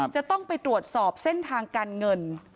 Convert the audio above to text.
จะต้องไปตรวจสอบเส้นทางการเงิน